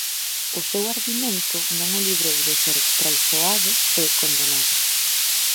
O seu ardimento non o librou de ser traizoado e condenado.